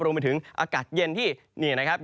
รวมไปถึงอากาศเย็นที่นี่นะครับ